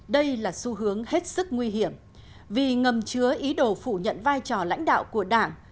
đây là xu hướng